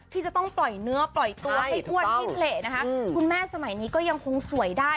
ที่จะต้องปล่อยเนื้อปล่อยตัวให้อ้วนให้เละนะคะคุณแม่สมัยนี้ก็ยังคงสวยได้